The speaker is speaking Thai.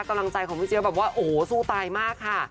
กำลังใจของพี่เจี๊ยแบบว่าโอ้โหสู้ตายมากค่ะ